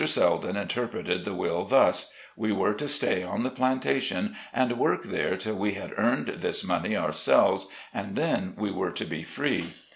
Seldon interpreted the will thus : We were to stay on the plantation and work there till we had earned this money our selves, and then we were to be free.